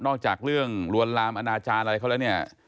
จากเรื่องลวนลามอนาจารย์อะไรเขาแล้วเนี่ย